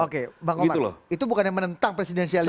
oke bang oman itu bukan yang menentang presidensialisme